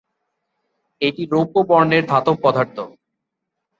এটি রৌপ্য বর্ণের ধাতব পদার্থ।